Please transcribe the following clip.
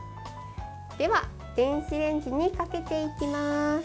では電子レンジにかけていきます。